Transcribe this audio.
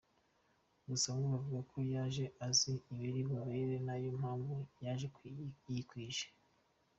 Gusa bamwe bavuga ko yaje azi ibiri bube ari nayo mpamvu yaje yikwije.